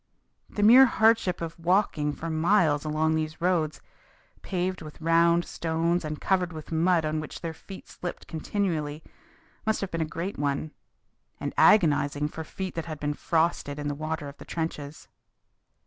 The mere hardship of walking for miles along those roads, paved with round stones and covered with mud on which their feet slipped continually, must have been a great one, and agonizing for feet that had been frosted in the water of the trenches.